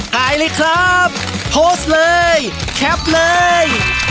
หายเลยครับโพสต์เลยแคปเลย